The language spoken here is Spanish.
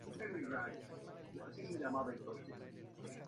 El siguiente single fue titulado "Bread and Water".